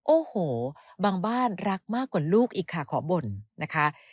โอ้โหบางบ้านรักมากกว่าลูกอีกค่ะขอบ่นนะคะ